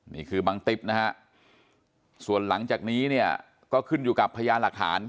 นี่คือบังติ๊บนะฮะส่วนหลังจากนี้เนี่ยก็ขึ้นอยู่กับพยานหลักฐาน